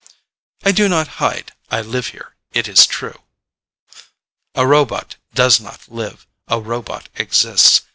"I do not hide. I live here, it is true." "A robot does not live. A robot exists.